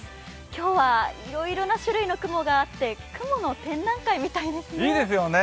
今日はいろいろな種類の雲があって雲の展覧会みたいですね。